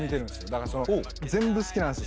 だから全部好きなんです。